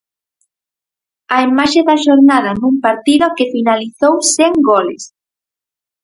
A imaxe da xornada nun partido que finalizou sen goles.